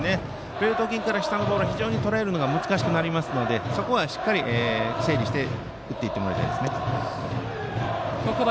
ベルト付近から下のボールは非常にとらえるのが難しくなりますのでそこはしっかり整理して打ってもらいたいです。